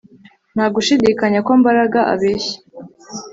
Nta gushidikanya ko Mbaraga abeshya